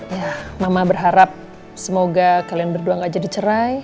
ya mama berharap semoga kalian berdua gak jadi cerai